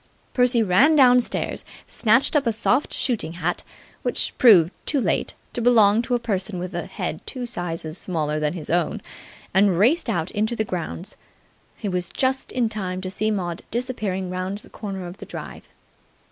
Percy ran downstairs, snatched up a soft shooting hat, which proved, too late, to belong to a person with a head two sizes smaller than his own; and raced out into the grounds. He was just in time to see Maud disappearing round the corner of the drive.